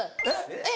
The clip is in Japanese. えっ？